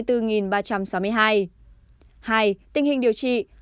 tình hình điều trị